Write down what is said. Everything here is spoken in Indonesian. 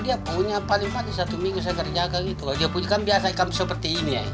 dia punya paling pagi satu minggu saya kerjakan gitu loh dia punya kan biasa ikan seperti ini